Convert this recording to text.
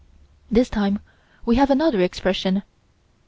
This time we have another expression.